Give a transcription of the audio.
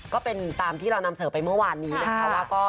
ก็เป็นตามที่เรานำเสริมไปเมื่อวานนี้นะคะว่า